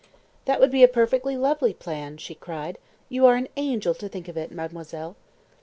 "That would be a perfectly lovely plan," she cried. "You are an angel to think of it, mademoiselle."